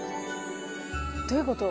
どういうこと？